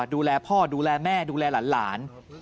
ดูแลพ่อดูแลแม่ดูแลหลาน